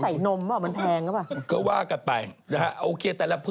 สวัสดีครับ